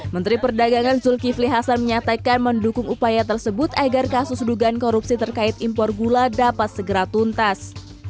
menteri perdagangan zulkifli hasan menyatakan mendukung upaya tersebut agar kasus dugaan korupsi terkait impor gula dapat segera tuntas